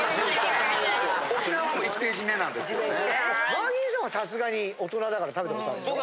マギーさんはさすがに大人だから食べた事あるでしょ？